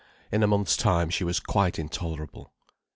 In a month's time she was quite intolerable.